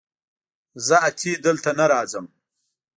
زه اتي دلته نه راځم